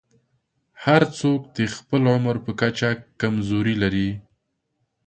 هر څوک د خپل عمر په کچه کمزورۍ لري.